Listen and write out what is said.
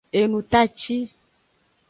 Enutaci.